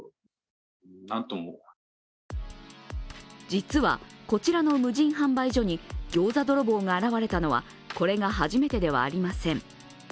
実は、こちらの無人販売所にギョーザ泥棒が現れたのはこれが初めてではありません。